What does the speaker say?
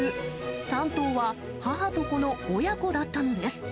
３頭は母と子の親子だったのです。